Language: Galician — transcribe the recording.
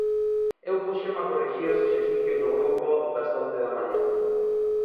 Eu púxenme a corrixir os exercicios do grupo das once da mañá.